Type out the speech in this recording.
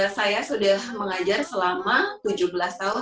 saya sudah mengajar selama tujuh belas tahun